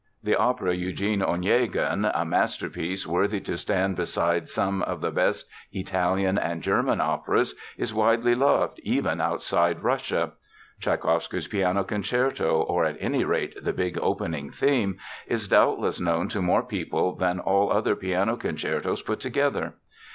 The opera, Eugene Onegin, a masterpiece worthy to stand beside some of the best Italian and German operas, is widely loved even outside Russia. Tschaikowsky's Piano Concerto, or, at any rate, the big opening theme, is doubtless known to more people than all other piano concertos put together.